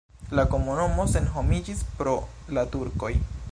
La komunumo senhomiĝis pro la turkoj.